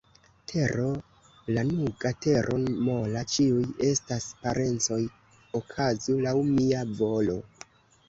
Tero lanuga, tero mola, ĉiuj estas parencoj, okazu laŭ mia volo!